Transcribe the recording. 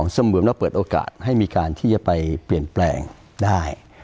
เสมือนแล้วเปิดโอกาสให้มีการที่จะไปเปลี่ยนแปลงได้